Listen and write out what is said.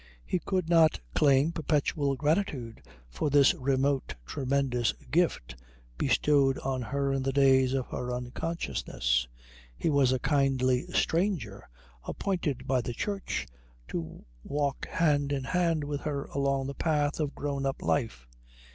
He could not claim perpetual gratitude for this remote tremendous gift, bestowed on her in the days of her unconsciousness. He was a kindly stranger appointed by the Church to walk hand in hand with her along the path of grown up life.